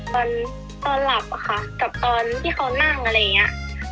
ตอนตอนหลับอะค่ะกับตอนที่เขานั่งอะไรอย่างนี้